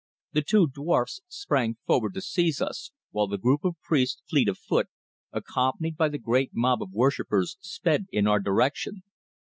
The two dwarfs sprang forward to seize us, while the group of priests, fleet of foot, accompanied by the great mob of worshippers, sped in our direction.